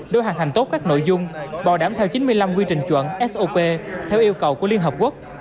đối hành thành tốt các nội dung bảo đảm theo chín mươi năm quy trình chuẩn sop theo yêu cầu của liên hợp quốc